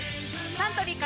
サントリーから